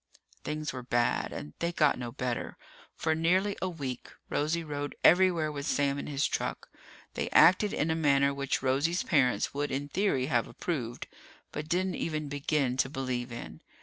Things were bad, and they got no better. For nearly a week, Rosie rode everywhere with Sam in his truck. They acted in a manner which Rosie's parents would in theory have approved, but didn't even begin to believe in.